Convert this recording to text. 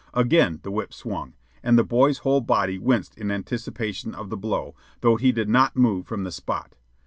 Again the whip swung, and the boy's whole body winced in anticipation of the blow, though he did not move from the spot.